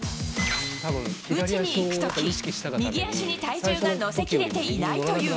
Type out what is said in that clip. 打ちにいくとき、右足に体重が乗せ切れていないという。